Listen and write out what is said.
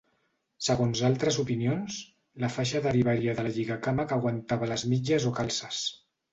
Segons altres opinions, la faixa derivaria de la lligacama que aguantava les mitges o calces.